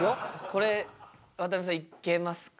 これ渡辺さんいけますか？